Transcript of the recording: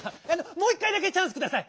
もう一かいだけチャンスください。